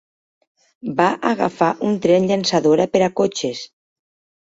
Va agafar un tren llançadora per a cotxes.